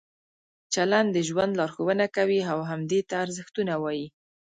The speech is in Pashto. چلند د ژوند لارښوونه کوي او همدې ته ارزښتونه وایي.